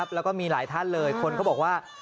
แล้วก็มีหลายท่านเลยคนเขาบอกว่า